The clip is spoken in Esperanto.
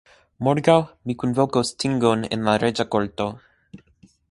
Morgaŭ mi kunvokos tingon en la reĝa korto.